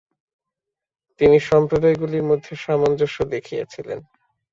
তিনি সম্প্রদায়গুলির মধ্যে সামঞ্জস্য দেখিয়াছিলেন।